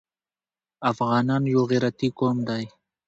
افغانان يو غيرتي قوم دی.